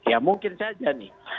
ya mungkin saja nih